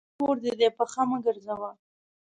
خپل کور دي دی ، پښه مه ګرځوه !